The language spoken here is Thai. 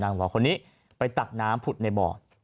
หมอคนนี้ไปตักน้ำผุดในบ่อ